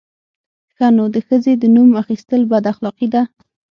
_ښه نو، د ښځې د نوم اخيستل بد اخلاقي ده!